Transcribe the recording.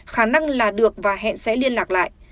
khả năng là được và hẹn sẽ liên lạc lại